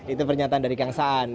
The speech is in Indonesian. itu pernyataan dari kang saan